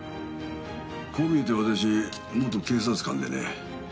こう見えて私、元警察官でね。